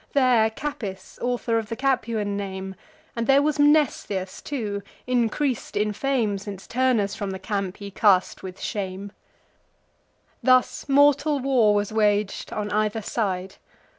There Capys, author of the Capuan name, And there was Mnestheus too, increas'd in fame, Since Turnus from the camp he cast with shame. Thus mortal war was wag'd on either side.